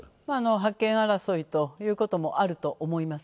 覇権争いということもあると思います。